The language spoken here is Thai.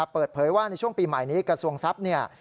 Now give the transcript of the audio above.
เปิดเผยว่าในช่วงปีใหม่นี้กระทรวงทรัพย์เนี่ย